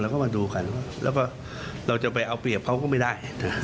แล้วก็มาดูกันแล้วก็เราจะไปเอาเปรียบเขาก็ไม่ได้